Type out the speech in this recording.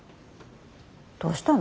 どうしたの？